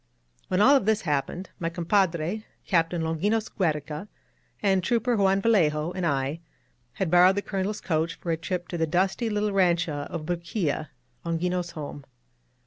When all this happened, my compadre. Captain Longinos Giiereca, and Trooper Juan Vallejo, and I, had borrowed the Colonel's coach for a trip to the dusty little rancho of Bruquilla, — ^Longinos' home.